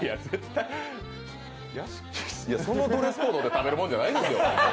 そのドレスコードで食べるもんじゃないですよ。